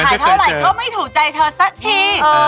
แต่ฝ่ายเท่าไรเขาไม่ถูกใจเธอสักที